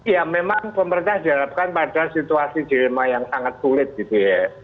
ya memang pemerintah diharapkan pada situasi dilema yang sangat sulit gitu ya